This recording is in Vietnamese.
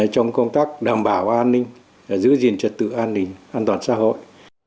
trong công tác đảm bảo an ninh giữ gìn trật tự an ninh an toàn xã hội